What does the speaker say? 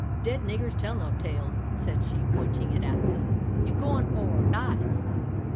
"Dead niggers tell no tales," said she, pointing it at them; "you go on or die!"